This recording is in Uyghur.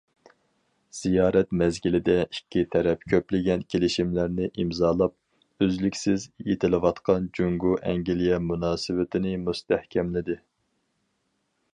زىيارەت مەزگىلىدە ئىككى تەرەپ كۆپلىگەن كېلىشىملەرنى ئىمزالاپ، ئۈزلۈكسىز يېتىلىۋاتقان جۇڭگو ئەنگلىيە مۇناسىۋىتىنى مۇستەھكەملىدى.